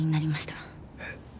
えっ？